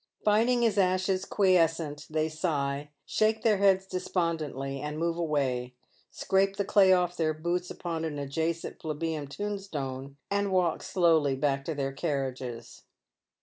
Finding his ashes quiescent they sigh, shake their heads despondently, and move away, scrape the clay off their boots upon au 312 Dead Men's Shoes. adjacent plebeian tombstone, and walk slowly back to their carriages.